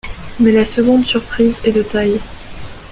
Mais la seconde surprise est de taille.